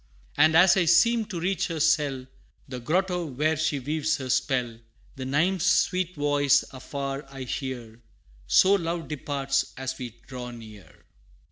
And, as I seem to reach her cell The grotto, where she weaves her spell The Nymph's sweet voice afar I hear So Love departs, as we draw near!